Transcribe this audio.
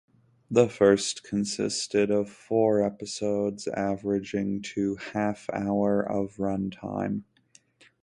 The first consisted of four episodes averaging to half-hour of run time.